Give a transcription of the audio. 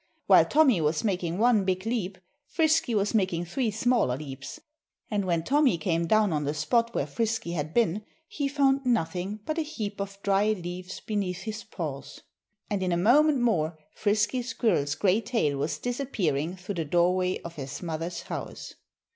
While Tommy was making one big leap, Frisky was making three smaller leaps. And when Tommy came down on the spot where Frisky had been he found nothing but a heap of dry leaves beneath his paws; and in a moment more Frisky Squirrel's gray tail was disappearing through the doorway of his mother's house.